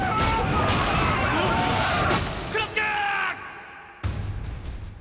フロック！！